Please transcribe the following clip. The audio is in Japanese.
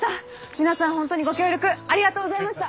皆さん本当にご協力ありがとうございました！